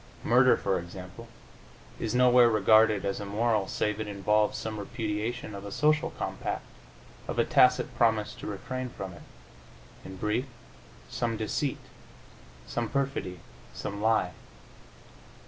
Murder, for example, is nowhere regarded as immoral save it involve some repudiation of a social compact, of a tacit promise to refrain from it in brief, some deceit, some perfidy, some lie.